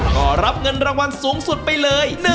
ก็รับเงินรางวัลสูงสุดไปเลย